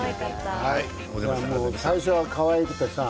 最初はかわいくてさ